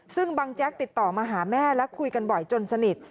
ซึ่งบังแจ๊กติดต่อมาหาแม่และคุยกันบ่อยจนสนิท